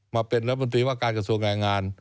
พอเป็นร้านบัง